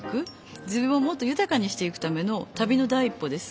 自分をもっと豊かにしていくための旅のだい一歩です。